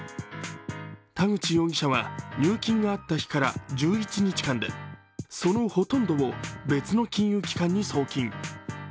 田口容疑者は入金があった日から１１日間でそのほとんどを別の金融機関に送金。